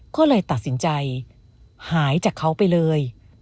ก็เลยตัดสินใจหายจากเขาไปเลย